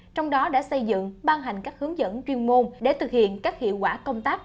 trong đó đã xây dựng ban hành các hướng dẫn chuyên môn để thực hiện các hiệu quả công tác